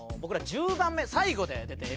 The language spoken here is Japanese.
１０番目最後で出て笑